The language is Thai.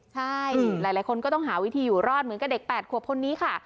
ใช่หลายคนก็ต้องหาวิธีอยู่รอดเหมือนกับเด็ก๘ขวบคนนี้ค่ะ